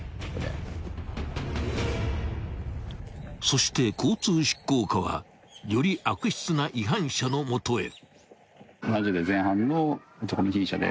［そして交通執行課はより悪質な違反者の元へ］